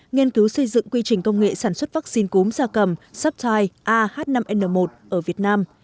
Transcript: nghiên cứu xây dựng quy trình công nghệ sản xuất vaccine cúm da cầm saptie ah năm n một ở việt nam